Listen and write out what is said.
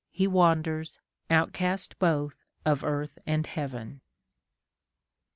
He wanders, outcast botli of eartii and heaven.